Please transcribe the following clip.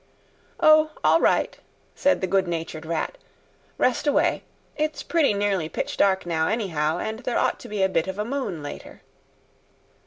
"O, all right," said the good natured Rat, "rest away. It's pretty nearly pitch dark now, anyhow; and there ought to be a bit of a moon later."